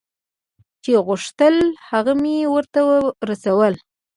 چې غوښتل هغه مې ورته رسول.